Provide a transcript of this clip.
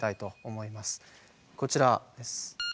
こちらです。